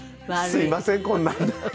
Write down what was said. すいませんこんなんで。